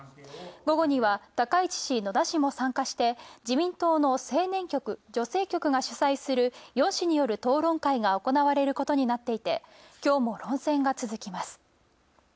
午後には高市氏・野田氏も参加して自民党の青年局と女性局が主催する４氏による討論会が行われることになっていて、今日も論戦が続きます。